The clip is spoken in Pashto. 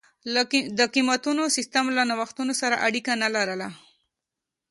د قېمتونو سیستم له نوښتونو سره اړیکه نه لرله.